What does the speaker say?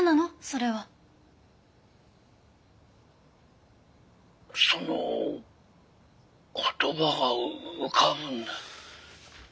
その言葉が浮かぶんだ。